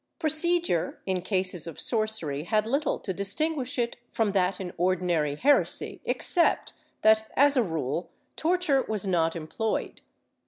^ Procedure in cases of sorcery had little to distinguish it from that in ordinary heresy, except that, as a rule, torture was net employed.